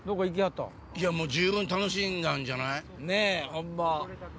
もう十分楽しんだんじゃない？